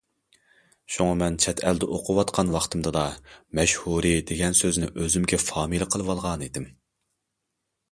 ... شۇڭا مەن، چەت ئەلدە ئوقۇۋاتقان ۋاقتىمدىلا« مەشھۇرى» دېگەن سۆزنى ئۆزۈمگە فامىلە قىلىۋالغانىدىم.